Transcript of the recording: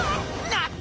なっ！